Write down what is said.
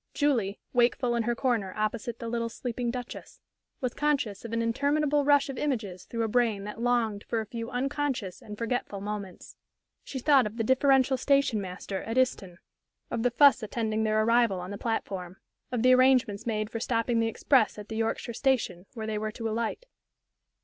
Julie, wakeful in her corner opposite the little, sleeping Duchess, was conscious of an interminable rush of images through a brain that longed for a few unconscious and forgetful moments. She thought of the deferential station master at Euston; of the fuss attending their arrival on the platform; of the arrangements made for stopping the express at the Yorkshire Station, where they were to alight.